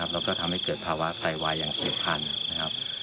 และก็ทำให้เกิดภาวะไตวายอย่างเสียพันธุ์